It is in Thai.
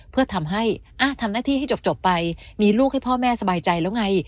เพื่อทำให้ทำหน้าที่ให้จบไปมีลูกให้พ่อแม่สบายใจแล้วไง